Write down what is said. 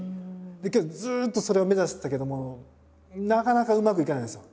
けどずっとそれを目指してたけどもなかなかうまくいかないんですよ。